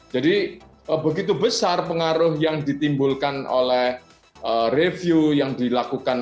jadi begitu besar pengaruh yang ditimbulkan oleh review yang dilakukan